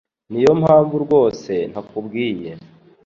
Niyo mpamvu rwose ntakubwiye